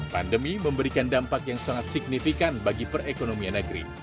pandemi memberikan dampak yang sangat signifikan bagi perekonomian negeri